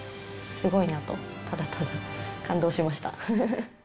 すごいなと、ただただ感動しました。